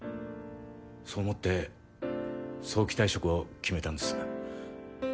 そう思って早期退職を決めたんです。